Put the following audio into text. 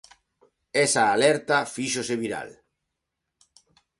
Esa alerta fíxose viral.